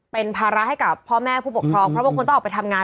เป็นภาระให้กับพ่อแม่ผู้ปกครองเพราะบางคนต้องออกไปทำงาน